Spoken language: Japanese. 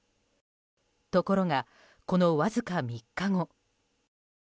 ところが、このわずか３日後。